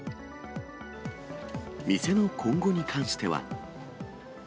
店の今後に関しては。